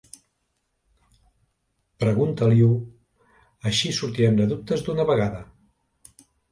Pregunta-li-ho: així sortirem de dubtes d'una vegada!